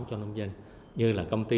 cho nông dân như là công ty